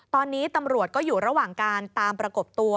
ตอนนี้ตำรวจก็อยู่ระหว่างการตามประกบตัว